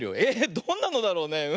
えどんなのだろうね？